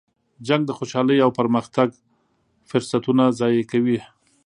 جنګ د خوشحالۍ او پرمختګ فرصتونه ضایع کوي.